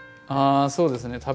あそうですね。